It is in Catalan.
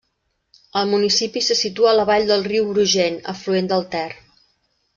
El municipi se situa a la vall del riu Brugent, afluent del Ter.